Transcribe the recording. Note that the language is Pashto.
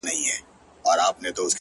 • په خپل زړه کي د مرګې پر کور مېلمه سو,